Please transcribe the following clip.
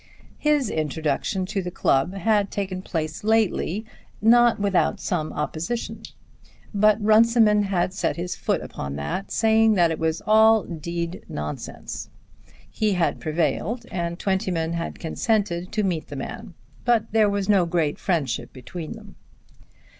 His introduction to the club had taken place lately, not without some opposition; but Runciman had set his foot upon that, saying that it was "all d nonsense." He had prevailed, and Twentyman had consented to meet the man; but there was no great friendship between them.